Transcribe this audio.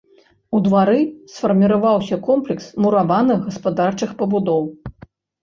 У двары сфарміраваўся комплекс мураваных гаспадарчых пабудоў.